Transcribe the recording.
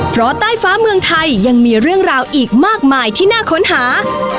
เพราะใต้ฟ้าเมืองไทยยังมีเรื่องราวอีกมากมายที่น่าค้นหา